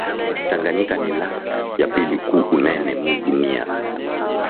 Tanganika ni lac ya pili ku unene mu dunia